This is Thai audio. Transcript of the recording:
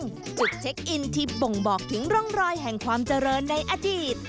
ซึ่งจุดเช็คอินที่บ่งบอกถึงร่องรอยแห่งความเจริญในอดีต